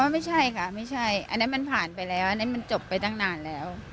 ไม่ใช่ค่ะไม่ใช่อันนั้นมันผ่านไปแล้วอันนี้มันจบไปตั้งนานแล้ว